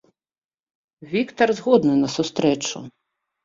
Віктар згодны на сустрэчу.